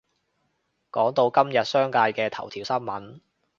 講到今日商界嘅頭條新聞